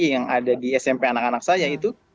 yang ada di smp anak anak saya itu